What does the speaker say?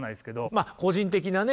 まあ個人的なね